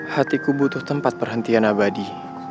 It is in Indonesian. hatiku butuh tempat perhentian abadi